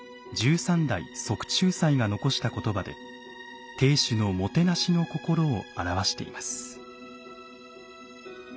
十三代即中斎が残した言葉で亭主のもてなしのこころを表しています。